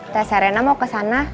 tese arena mau kesana